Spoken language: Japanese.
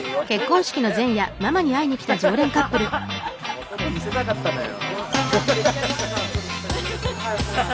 弟見せたかったんだよ。